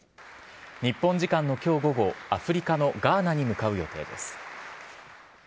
日本時間のきょう午後、アフリカのガーナに向かう予定です。